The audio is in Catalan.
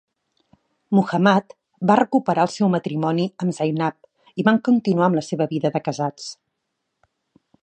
Muhammad va recuperar el seu matrimoni amb Zainab i van continuar amb la seva vida de casats.